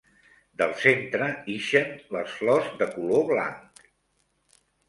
Del centre ixen les flors de color blanc.